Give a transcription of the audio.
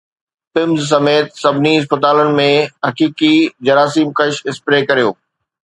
PIMS سميت سڀني اسپتالن ۾ حقيقي جراثيم ڪش اسپري ڪريو